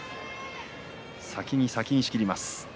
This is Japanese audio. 先に先に仕切ります。